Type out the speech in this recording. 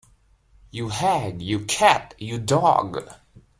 You hag, you cat, you dog!